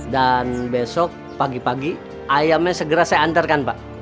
dan besok pagi pagi ayamnya segera saya antarkan pak